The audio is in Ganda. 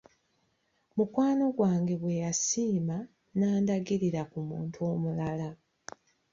Mukwano gwange bwe yasiima n’andagirira ku muntu omulala.